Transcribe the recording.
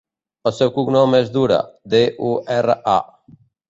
El seu cognom és Dura: de, u, erra, a.